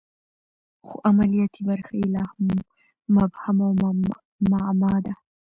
خو عملیاتي برخه یې لا هم مبهم او معما ده